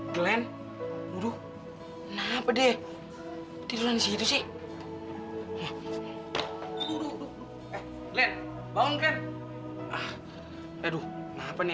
sampai jumpa di video selanjutnya